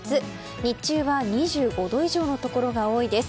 日中は２５度以上のところが多いです。